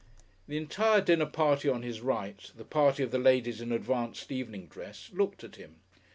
The entire dinner party on his right, the party of the ladies in advanced evening dress, looked at him....